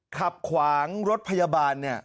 ขับขวางรถพยาบาลเนี่ย